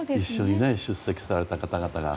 一緒に出席された方々が。